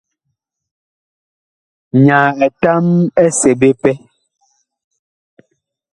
Nyaa etam ɛ seɓe pɛ.